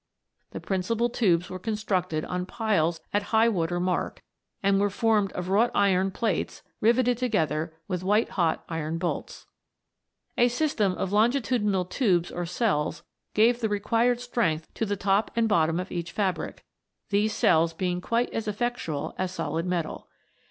The principal tubes were constructed on piles at high water mark, and were formed of wrought iron plates riveted together with white hot iron bolts. A system of longitudinal tubes or cells gave the required strength to the top and bottom of each fabric, these cells being quite as effectual as solid metal.